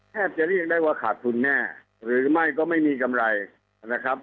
จะเรียกได้ว่าขาดทุนแน่หรือไม่ก็ไม่มีกำไรนะครับ